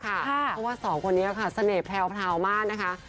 เพราะว่าสองคนนี้ค่ะเสน่ห์แพรวมากนะคะ